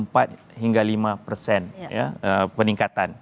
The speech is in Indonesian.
lebih kurang empat hingga lima persen ya peningkatan